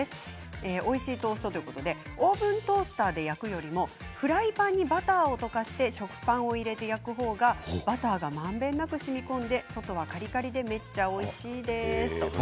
おいしいトーストということでオーブントースターで焼くよりもフライパンにバターを溶かして食パンを入れて焼く方がバターがまんべんなくしみこんで外はカリカリでめちゃおいしいです。